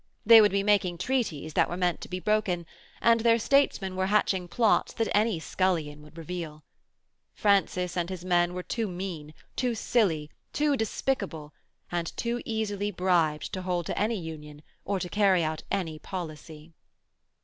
They would be making treaties that were meant to be broken, and their statesmen were hatching plots that any scullion would reveal. Francis and his men were too mean, too silly, too despicable, and too easily bribed to hold to any union or to carry out any policy....